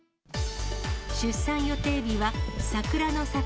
出産予定日は桜の咲く